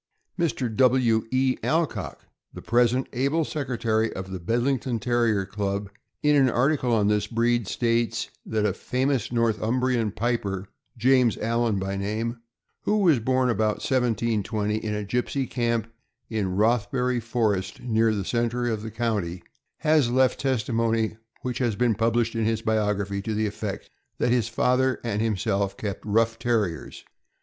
Mr. W. E. Alcock, the present able secretary of the Bed lington Terrier Club, in an article on this breed, states that a famous Northumbrian piper, James Allan by name, who was born about 1720. in a gypsy camp in Rothbury Forest, near the center of the county, has left testimony, which has been published in his biography, to the effect that his father and himself kept rough Terriers.